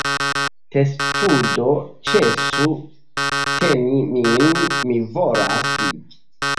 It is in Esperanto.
Testudo: "Ĉesu teni min! Mi volas vivi!"